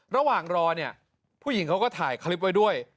ระหว่างรอเนี่ยผู้หญิงเขาก็ถ่ายคลิปไว้ด้วย